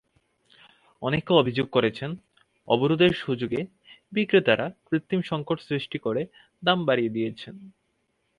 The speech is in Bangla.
অনেকে অভিযোগ করছেন, অবরোধের সুযোগে বিক্রেতারা কৃত্রিম সংকট সৃষ্টি করে দাম বাড়িয়ে দিয়েছেন।